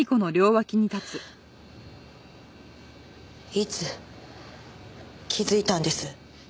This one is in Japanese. いつ気づいたんです？